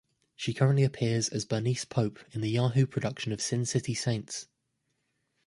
She currently appears as Bernice Pope in the Yahoo production of "Sin City Saints".